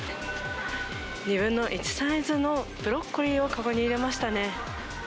２分の１サイズのブロッコリーを籠に入れましたね。